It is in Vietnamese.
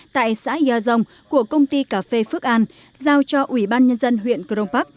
tại xã ya dông của công ty cà phê phước an giao cho ủy ban nhân dân huyện crong park